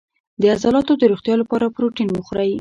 د عضلاتو د روغتیا لپاره پروتین وخورئ